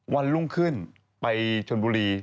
วันรุ่งขึ้นไปชนบุรี